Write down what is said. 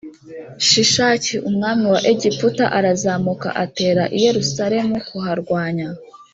Shishaki umwami wa Egiputa arazamuka atera i Yerusalemu kuharwanya